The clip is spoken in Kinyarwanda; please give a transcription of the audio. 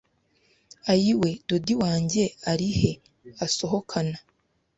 Ayiwe Dodi wange ari he Asohokana